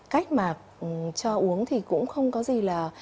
cách mà cho uống thì cũng không có gì là